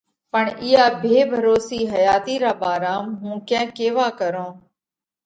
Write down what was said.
پڻ اِيئا ڀي ڀروسِي حياتِي را ڀارام هُون ڪينڪ ڪيوا ڪرونه۔